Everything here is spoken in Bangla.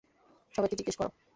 সবাইকে জিজ্ঞেস কর।